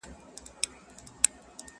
خاموسي تر ټولو دروند حالت دی